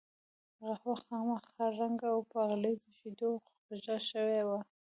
قهوه خامه، خړ رنګه او په غليظو شیدو خوږه شوې وه.